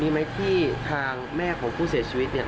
ไหมที่ทางแม่ของผู้เสียชีวิตเนี่ย